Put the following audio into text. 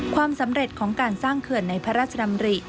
ความสำเร็จของการสร้างเขื่อนในพระราชดำริ